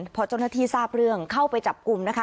พอเจ้าหน้าที่ทราบเรื่องเข้าไปจับกลุ่มนะคะ